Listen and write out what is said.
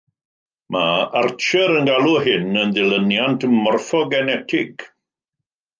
Mae Archer yn galw hyn yn ddilyniant morffogenetig.